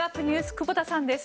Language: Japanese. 久保田さんです。